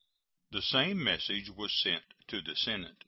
[The same message was sent to the Senate.